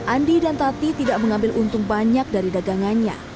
andi dan tati tidak mengambil untung banyak dari dagangannya